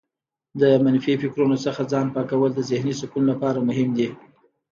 د منفي فکرونو څخه ځان پاکول د ذهنې سکون لپاره مهم دي.